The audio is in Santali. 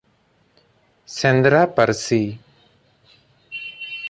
ᱥᱮᱸᱫᱽᱨᱟ ᱯᱟᱹᱨᱥᱤ